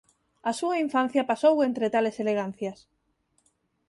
A súa infancia pasou entre tales elegancias.